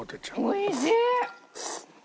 おいしい！